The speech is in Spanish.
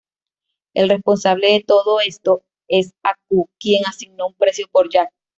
El responsable de todo esto es Aku, quien asignó un precio por Jack.